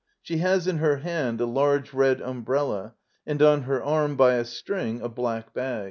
She has in her hand a large red umbrella, and on her anxi> by a string, a black bag.